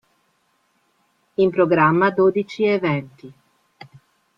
In programma dodici eventi.